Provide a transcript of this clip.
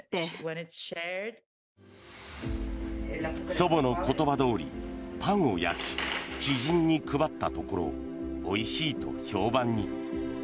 祖母の言葉どおりパンを焼き、知人に配ったところおいしいと評判に。